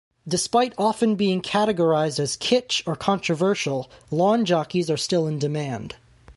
Despite often being categorized as kitsch or controversial, lawn jockeys are still in demand.